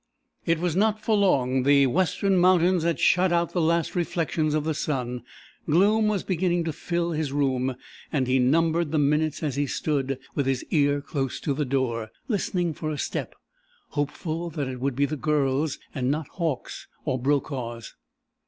It was not for long. The western mountains had shut out the last reflections of the sun. Gloom was beginning to fill his room, and he numbered the minutes as he stood, with his ear close to the door, listening for a step, hopeful that it would be the Girl's and not Hauck's or Brokaw's.